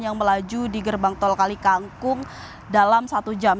yang melaju di gerbang tol kali kangkung dalam satu jam